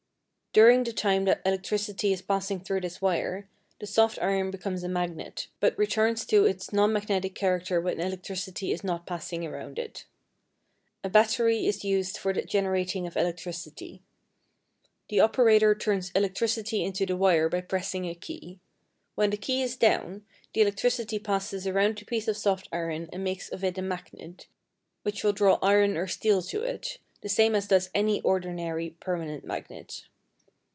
During the time that electricity is passing through this wire, the soft iron becomes a magnet, but returns to its nonmagnetic character when electricity is not passing around it. A battery is used for the generating of electricity. The operator turns electricity into the wire by pressing a key. When the key is down, the electricity passes around the piece of soft iron and makes of it a magnet, which will draw iron or steel to it, the same as does any ordinary permanent magnet.